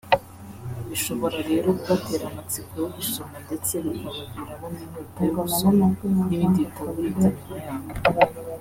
bishobora rero kubatera amatsiko yo gusoma ndetse bikabaviramo n’inyota yo gusoma n’ibindi bitabo bindi nyuma yaho